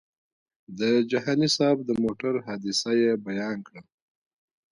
د جهاني صاحب د موټر حادثه یې بیان کړه.